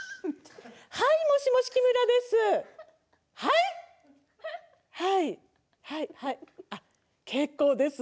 はい、もしもし木村です。